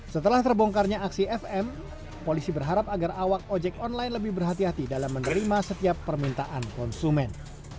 setelah terbongkarnya aksi fm polisi berharap agar awak ojek online lebih berhati hati dalam menerima setiap permintaan konsumen